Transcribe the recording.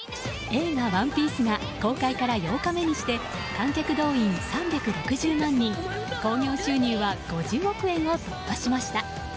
映画「ＯＮＥＰＩＥＣＥ」が公開から８日目にして観客動員３６０万人、興行収入は５０億円を突破しました。